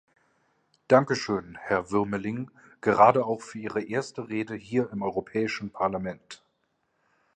Danke schön, Herr Wuermeling, gerade auch für Ihre erste Rede hier im Europäischen Parlament.